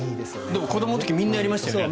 でも、子どもの時みんなやりましたよね。